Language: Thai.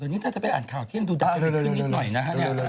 ตอนนี้ถ้าจะไปอ่านข่าวเที่ยงดูดาวนิดขึ้นนิดหน่อยนะฮะเนี่ย